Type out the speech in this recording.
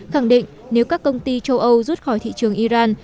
khẳng định nếu các công ty châu âu rút khỏi thị trường iran